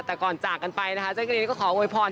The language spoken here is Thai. แต่ก่อนจากกันไปนะคะเจ้ากันอีกนิดนึงก็ขอโอยพร